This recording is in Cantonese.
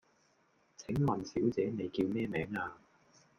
請問小姐你叫咩名呀?